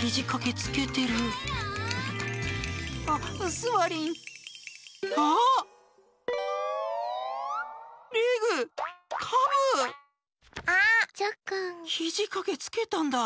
ひじかけつけたんだ。